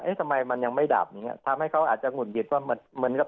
ทำไมมันยังไม่ดับอย่างเงี้ทำให้เขาอาจจะหงุดหงิดว่ามันเหมือนกับ